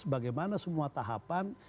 bagaimana semua tahapan